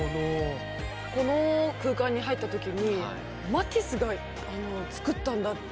この空間に入った時にマティスが作ったんだっていう。